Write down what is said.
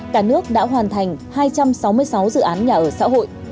cả nước đã hoàn thành hai trăm sáu mươi sáu dự án nhà ở xã hội